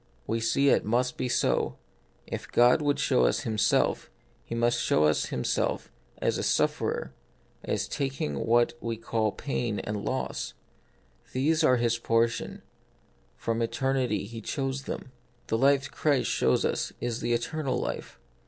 We see it must be so. If God would show us Himself, He must show us Himself as a sufferer, as taking what we call pain and loss. These are His portion ; from eternity He chose them. The life Christ shows us is the eternal life.